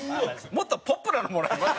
もっとポップなのもらえます？